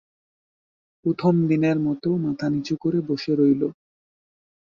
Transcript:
প্রথম দিনের মতো মাথা নিচু করে বসে রইল।